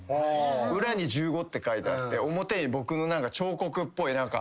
裏に「１５」って書いてあって表に僕の彫刻っぽい。